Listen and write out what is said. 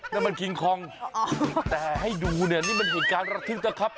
แล้วมันคิงคองแต่ให้ดูเนี่ยนี่มันเหตุการณ์ระทึกนะครับ